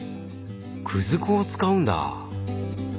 くず粉を使うんだ。